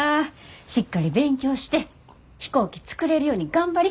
しっかり勉強して飛行機作れるように頑張り。